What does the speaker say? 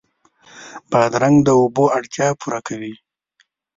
بادرنګ د اوبو اړتیا پوره کوي.